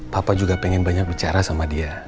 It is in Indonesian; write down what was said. papa juga pengen banyak bicara sama dia